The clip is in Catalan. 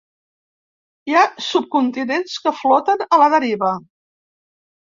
Hi ha subcontinents que floten a la deriva.